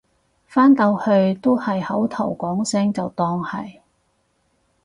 返到去都係口頭講聲就當係